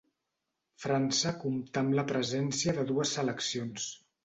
França comptà amb la presència de dues seleccions.